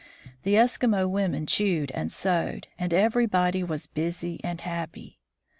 The Eskimo women chewed and sewed, and everybody was busy and happy.